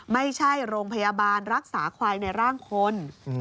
ไม่ใช่โรงพยาบาลรักษาควายในร่างคน